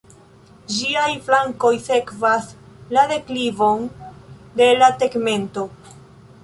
Ĝiaj flankoj sekvas la deklivon de la tegmento.